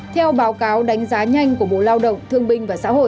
theo báo cáo đánh giá nhanh của bộ lao động thương binh và xã hội